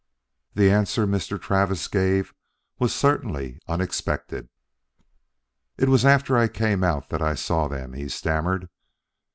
The answer Mr. Travis gave was certainly unexpected. "It was after I came out that I saw them," he stammered.